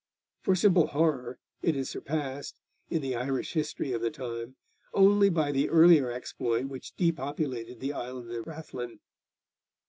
For simple horror it is surpassed, in the Irish history of the time, only by the earlier exploit which depopulated the island of Rathlin.